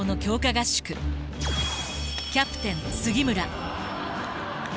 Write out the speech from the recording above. キャプテン杉村。